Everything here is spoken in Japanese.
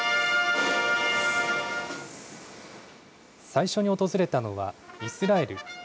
最初に訪れたのはイスラエル。